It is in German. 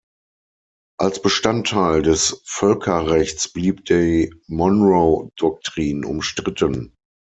Als Bestandteil des Völkerrechts blieb die Monroe-Doktrin umstritten.